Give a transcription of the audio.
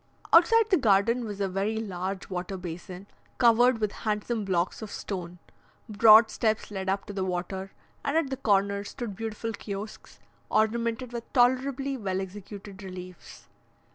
Outside the garden was a very large water basin, covered with handsome blocks of stone; broad steps led up to the water, and at the corner stood beautiful kiosks, ornamented with tolerably well executed reliefs.